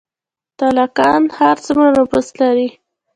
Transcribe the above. تالقان ښار څومره نفوس لري؟